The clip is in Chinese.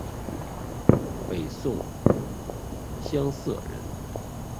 北宋襄邑人。